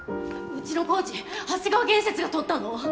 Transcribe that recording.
うちの工事長谷川建設がとったの？